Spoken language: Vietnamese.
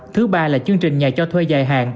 thứ ba là chương trình nhà cho thuê dài hạn